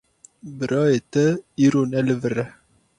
Birayê te îro ne li vir e.